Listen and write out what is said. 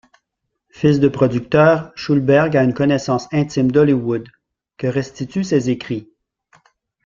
Fils de producteur, Schulberg a une connaissance intime d'Hollywood, que restituent ses écrits.